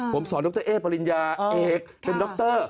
ผมสอนดรเอ๊ปริญญาเอกเป็นดร